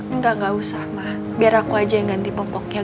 enggak gak usah lah biar aku aja yang ganti popoknya